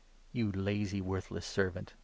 ' You lazy, worthless servant !